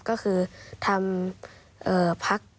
ก็คือทำพัก